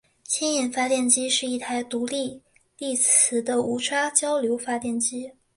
牵引发电机是一台独立励磁的无刷交流发电机。